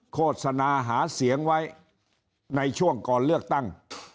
โฆษณาหาเสียงไว้ในช่วงก่อนเลือกตั้ง